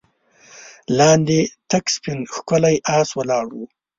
لاندې تک سپين ښکلی آس ولاړ و.